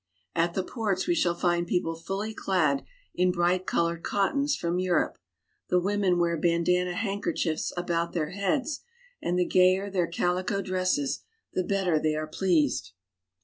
At the ports we shall find people fully clad in bright colored cot tons from Europe. The women wear bandana handker chiefs about their heads, and the gayer their calico dresses the better they are pleased.